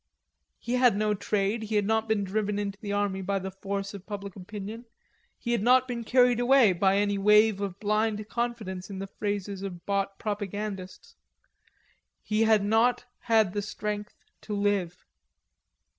He had no trade, he had not been driven into the army by the force of public opinion, he had not been carried away by any wave of blind confidence in the phrases of bought propagandists. He had not had the strength to live.